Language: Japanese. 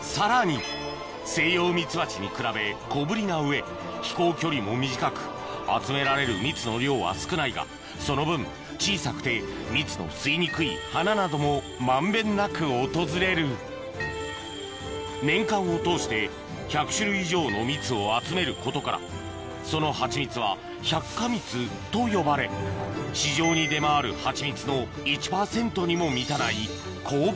さらにセイヨウミツバチに比べ小ぶりな上飛行距離も短く集められる蜜の量は少ないがその分小さくて蜜の吸いにくい花なども満遍なく訪れる年間を通して１００種類以上の蜜を集めることからそのハチミツは百花蜜と呼ばれ市場に出回るハチミツの１％にも満たないうわ